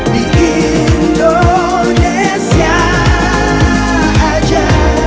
di indonesia aja